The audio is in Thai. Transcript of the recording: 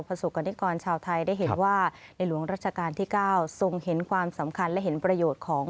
ประสบกรณิกรชาวไทยได้เห็นว่าในหลวงรัชกาลที่๙ทรงเห็นความสำคัญและเห็นประโยชน์ของ